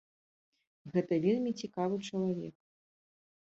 Гэта вельмі цікавы чалавек.